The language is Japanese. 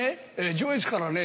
上越からね